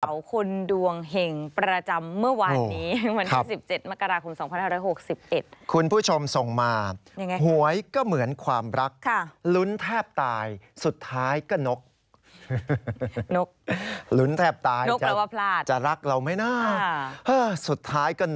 เสร็จมาเหล่าคนดวงแห่งประจำเมื่อวานนี้